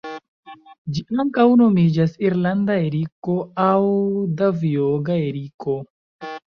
Ĝi ankaŭ nomiĝas irlanda eriko aŭ Davjoga eriko.